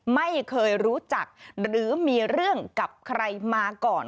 ไม่เคยรู้จักหรือมีเรื่องกับใครมาก่อน